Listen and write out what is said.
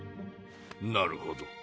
なるほど。